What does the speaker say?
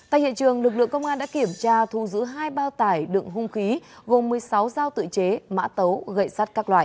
tại hiện trường lực lượng công an đã kiểm tra thu giữ hai bao tải đựng hung khí gồm một mươi sáu dao tự chế mã tấu gậy sắt các loại